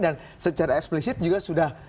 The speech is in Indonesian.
secara eksplisit juga sudah